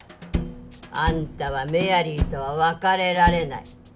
あんたはメアリーとは別れられない